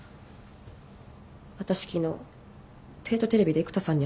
私昨日帝都テレビで育田さんに会いました。